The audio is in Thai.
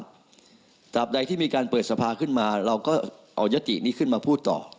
ตามใดที่มีการเปิดสภาขึ้นมาเราก็เอายตินี้ขึ้นมาพูดต่อ